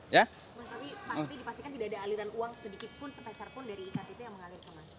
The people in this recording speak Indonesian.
tapi dipastikan tidak ada aliran uang sedikit pun sepeser pun dari iktp yang mengalir ke mana